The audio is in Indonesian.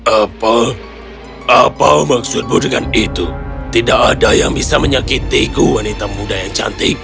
apa apa maksudmu dengan itu tidak ada yang bisa menyakitiku wanita muda yang cantik